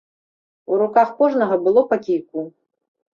У руках кожнага было па кійку.